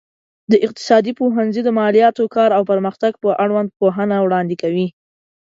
د اقتصاد پوهنځی د مالياتو، کار او پرمختګ په اړوند پوهنه وړاندې کوي.